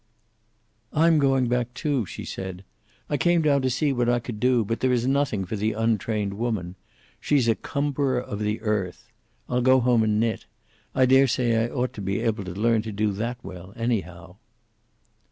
"I'm going back, too," she said. "I came down to see what I can do, but there is nothing for the untrained woman. She's a cumberer of the earth. I'll go home and knit. I daresay I ought to be able to learn to do that well, anyhow."